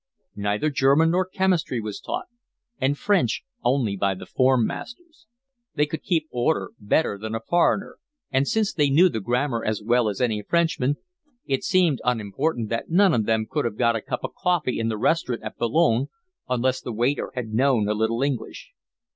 Neither German nor chemistry was taught, and French only by the form masters; they could keep order better than a foreigner, and, since they knew the grammar as well as any Frenchman, it seemed unimportant that none of them could have got a cup of coffee in the restaurant at Boulogne unless the waiter had known a little English.